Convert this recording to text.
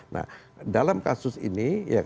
nah dalam kasus ini